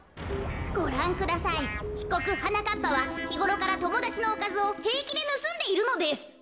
ごらんくださいひこくはなかっぱはひごろからともだちのおかずをへいきでぬすんでいるのです。